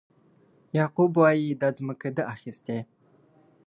یعقوب وایي دا ځمکه ده اخیستې.